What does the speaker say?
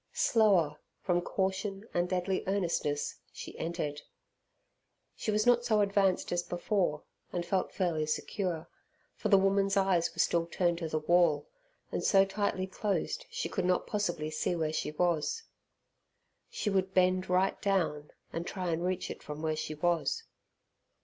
Slower, from caution and deadly earnestness, she entered. She was not so advanced as before, and felt fairly secure, for the woman's eyes were still turned to the wall, and so tightly closed she could not possibly see where she was. She would bend right down, and try and reach it from where she was.